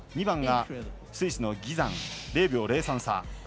２番がスイスのギザン０秒０３差。